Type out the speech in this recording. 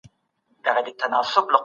پښتو ژبه د ټولنیز سمون لویه وسیله ده